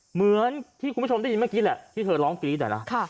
เหมือนที่คุณผู้ชมได้ยินเมื่อกี้แหละที่เธอร้องกรี๊ดอะนะ